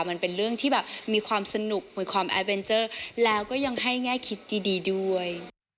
มันเป็นเรื่องที่แบบมีความสนุกมีความแอดเวนเจอร์แล้วก็ยังให้แง่คิดดีด้วย